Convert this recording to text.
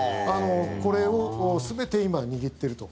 これを全て今、握っていると。